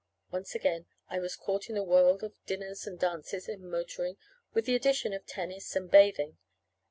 Once again I was caught in the whirl of dinners and dances and motoring, with the addition of tennis and bathing.